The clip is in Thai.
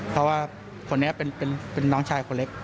เพราะว่าคนนี้เป็นน้องชายคนเล็ก